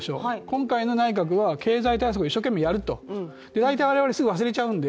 今回の内閣は、経済対策を一生懸命やると、大体言われた我々は忘れちゃうんで。